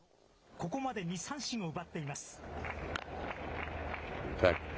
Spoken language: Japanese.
ここまで２三振を奪っています。